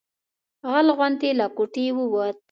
غل غوندې له کوټې ووت.